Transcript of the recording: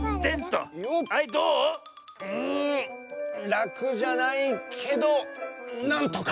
らくじゃないけどなんとか！